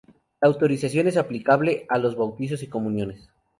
La autorización es aplicable a los bautizos y comuniones.